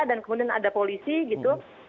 kemudian ada polisi gitu